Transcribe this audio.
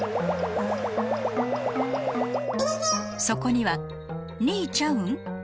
そこには２位ちゃうん？